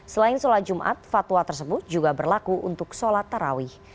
selain sholat jumat fatwa tersebut juga berlaku untuk sholat tarawih